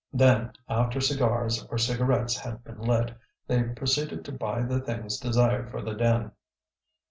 Then, after cigars or cigarettes had been lit, they proceeded to buy the things desired for the den.